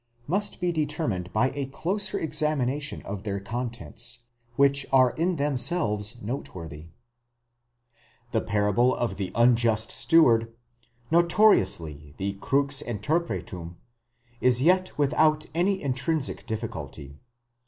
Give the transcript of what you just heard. * must be deter mined by a closer examination of their contents, which are in themselves. noteworthy, The parable of the unjust steward, notoriously the crux interpretum, is yet without any intrinsic difficulty.